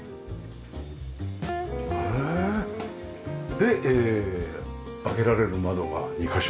で開けられる窓が２カ所。